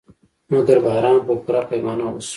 مګر باران په پوره پیمانه وشو.